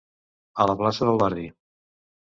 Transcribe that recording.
A la plaça del barri.